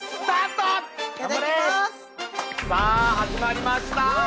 さあ始まりました。